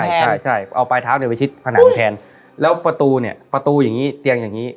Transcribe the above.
ใช่ใช่เอาปลายเท้าเนี่ยไปชิดผนังแทนแล้วประตูเนี่ยประตูอย่างงี้เตียงอย่างงี้